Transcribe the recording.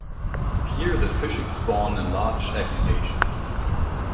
Here, the fishes spawn in large aggregations.